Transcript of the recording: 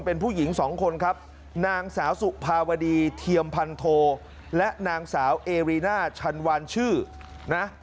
เป็นผู้หญิงสองคนครับนางสาวสุภาวดีเทียมพันโทและนางสาวเอรีน่าชันวานชื่อนะ